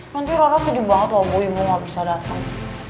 nanti rara sedih banget loh ibu ga bisa datang